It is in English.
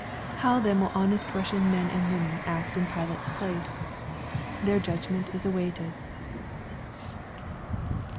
How then will honest Russian men and women act in Pilate's place? Their judgment is awaited.